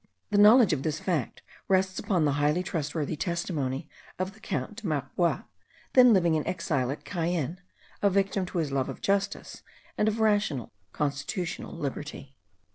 The knowledge of this fact rests upon the highly trustworthy testimony of the Count de Marbois, then living in exile at Cayenne, a victim to his love of justice and of rational, constitutional liberty.